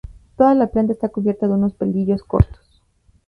Toda la planta está cubierta de unos pelillos cortos.